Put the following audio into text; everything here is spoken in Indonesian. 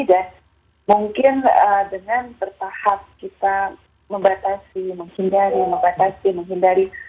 dan mungkin dengan bertahap kita membatasi menghindari mengbatasi menghindari